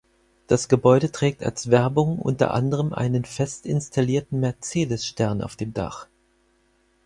Das Gebäude trägt als Werbung unter anderem einen fest installierten Mercedes-Stern auf dem Dach.